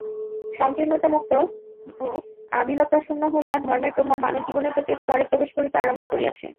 সঙ্কীর্ণতামুক্ত ও আবিলতাশূন্য হইয়া ধর্মের প্রভাব মানব-জীবনের প্রতি স্তরে প্রবেশ করিতে আরম্ভ করিয়াছে।